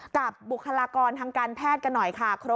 บุคลากรทางการแพทย์กันหน่อยค่ะ